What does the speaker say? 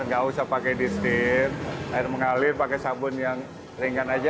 tidak usah pakai distin air mengalir pakai sabun yang ringan saja